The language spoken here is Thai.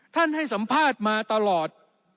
ให้สัมภาษณ์มาตลอด